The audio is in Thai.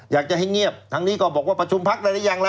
อยากจะให้เงียบทางนี้ก็บอกว่าประชุมพักได้หรือยังล่ะ